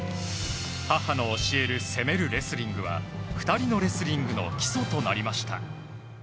母の教える攻めるレスリングは２人のレスリングの基礎となりました。